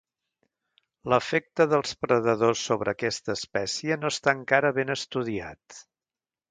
L'efecte dels predadors sobre aquesta espècie no està encara ben estudiat.